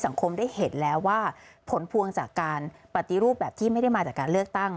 สังคมได้เห็นแล้วว่าผลพวงจากการปฏิรูปแบบที่ไม่ได้มาจากการเลือกตั้ง